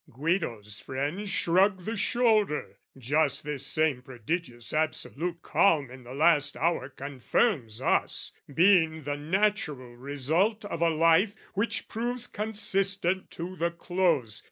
Guido's friends shrug the shoulder, "Just this same "Prodigious absolute calm in the last hour "Confirms us, being the natural result "Of a life which proves consistent to the close.